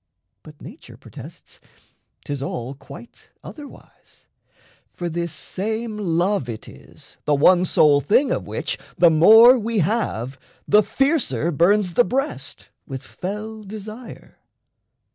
But nature protests 'tis all quite otherwise; For this same love it is the one sole thing Of which, the more we have, the fiercer burns The breast with fell desire.